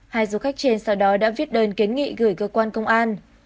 hai du khách trên sau đó đã viết đơn kiến nghị gửi cơ quan công an